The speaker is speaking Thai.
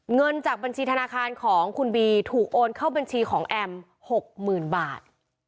เงินจากบัญชีธนาคารของคุณบีถูกโอนเข้าบัญชีของแอม๖๐๐๐บาท